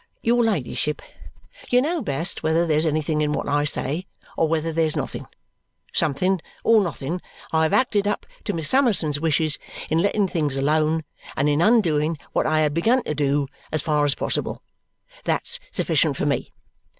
"Your ladyship, you know best whether there's anything in what I say or whether there's nothing. Something or nothing, I have acted up to Miss Summerson's wishes in letting things alone and in undoing what I had begun to do, as far as possible; that's sufficient for me.